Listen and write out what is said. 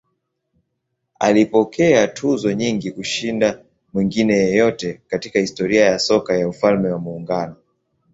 Alipokea tuzo nyingi kushinda mwingine yeyote katika historia ya soka ya Ufalme wa Muungano.